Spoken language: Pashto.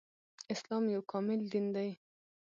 اسلام يو کامل دين دی